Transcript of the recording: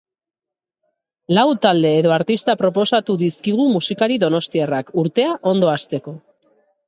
Lau talde edo artista proposatu dizkigu musikari donostiarrak, urtea ondo hasteko.